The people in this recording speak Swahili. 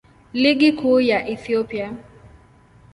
Ligi Kuu ya Ethiopia.